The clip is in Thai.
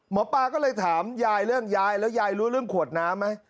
หมอปลาก็เลยถามยายเรื่องยายแล้วยายรู้เรื่องขวดน้ำไหม